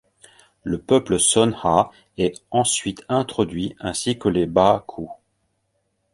Le peuple Son'a est ensuite introduit ainsi que les Ba'ku.